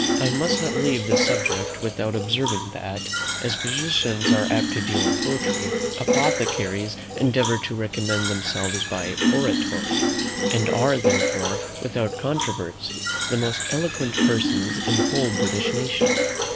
I must not leave this subject without observing that, as physicians are apt to deal in poetry, apothecaries endeavour to recommend themselves by oratory, and are therefore, without controversy, the most eloquent persons in the whole British nation.